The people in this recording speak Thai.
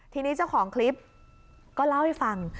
ทีนี้เจ้าของคลิปก็เล่าให้ฟัง